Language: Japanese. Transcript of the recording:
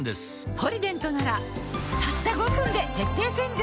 「ポリデント」ならたった５分で徹底洗浄